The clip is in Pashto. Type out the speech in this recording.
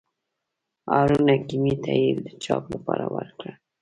هارون حکیمي ته یې د چاپ لپاره ورکړي.